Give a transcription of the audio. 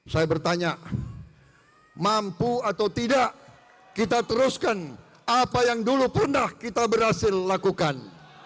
saya bertanya mampu atau tidak kita teruskan apa yang dulu pernah kita berhasil lakukan